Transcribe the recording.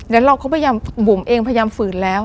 แล้วเราก็พยายามบุ๋มเองพยายามฝืนแล้ว